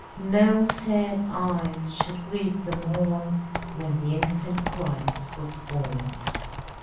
No sad eyes should greet the morn When the infant Christ was born.